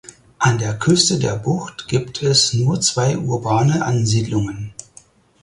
An der Küste der Bucht gibt es nur zwei urbane Ansiedlungen.